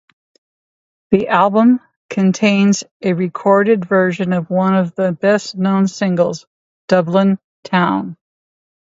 The album contains a re-recorded version of one of his best-known singles, "Dublin Town".